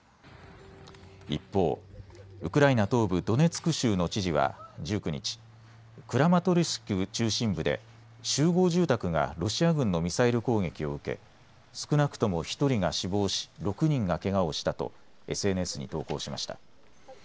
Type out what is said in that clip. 一方、ウクライナ東部ドネツク州の知事は１９日、クラマトルシク中心部で集合住宅がロシア軍のミサイル攻撃を受け、少なくとも１人が死亡し６人がけがをしたとＳＮＳに投稿しました。